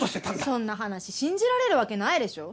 そんな話信じられるわけないでしょ。